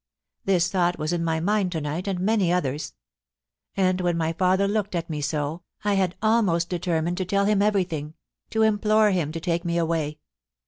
... This thought was in my mind to night, and many others ; and when my father looked at me so, I had almost determined to tell him every thing, to implore him to take me away.